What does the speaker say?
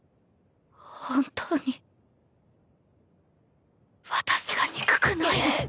本当に私が憎くないの？